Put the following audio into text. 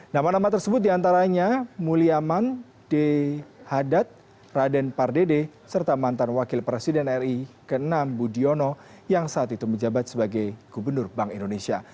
nama nama tersebut diantaranya mulyaman d hadad raden pardede serta mantan wakil presiden ri ke enam budiono yang saat itu menjabat sebagai gubernur bank indonesia